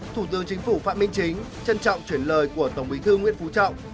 thủ tướng chính phủ phạm minh chính trân trọng chuyển lời của tổng bí thư nguyễn phú trọng